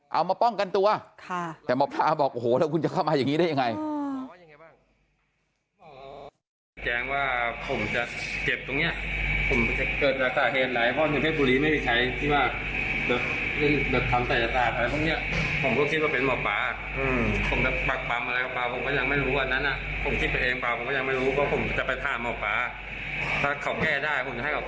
เอามาป้องกันตัวแต่หมอปลาบอกโอ้โหแล้วคุณจะเข้ามาอย่างนี้ได้ยังไง